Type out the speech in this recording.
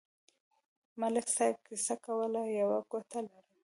ملک صاحب کیسه کوله: یوه کوټه لرم.